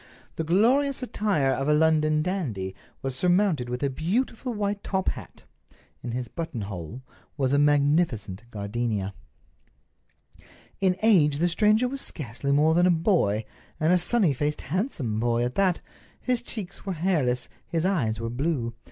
The glorious attire of a London dandy was surmounted with a beautiful white top hat. In his buttonhole was a magnificent gardenia. In age the stranger was scarcely more than a boy, and a sunny faced, handsome boy at that. His cheeks were hairless, his eyes were blue.